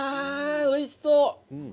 おいしそう。